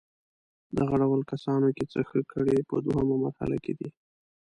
دغه ډول کسانو که څه ښه کړي په دوهمه مرحله کې دي.